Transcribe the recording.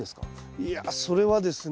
いやそれはですね